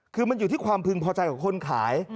คือมันอยู่ที่ความพึงพอใจของคนขาย